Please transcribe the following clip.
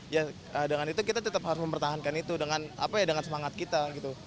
ya dengan itu kita tetap harus mempertahankan itu dengan semangat kita gitu